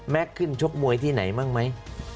แมทขึ้นชกมวยที่ไหนบ้างมั้ย